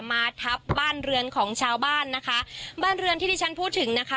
มาทับบ้านเรือนของชาวบ้านนะคะบ้านเรือนที่ที่ฉันพูดถึงนะคะ